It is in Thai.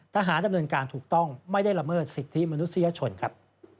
ทหารดำเนินการถูกต้องไม่ได้ละเมิดสิทธิมนุษยชนครับ